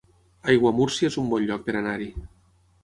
Aiguamúrcia es un bon lloc per anar-hi